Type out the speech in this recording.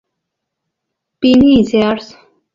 Penney y Sears.